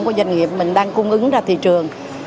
của doanh nghiệp mình đang cung ứng ra thị trường